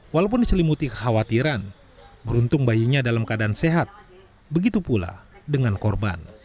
walaupun diselimuti kekhawatiran beruntung bayinya dalam keadaan sehat begitu pula dengan korban